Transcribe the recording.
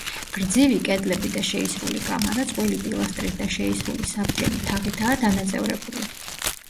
გრძივი კედლები და შეისრული კამარა წყვილი პილასტრით და შეისრული საბჯენი თაღითაა დანაწევრებული.